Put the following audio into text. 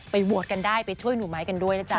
ไปโวท์กันได้ไปช่วยหนุ่มไม้กันด้วยนะจ๊ะ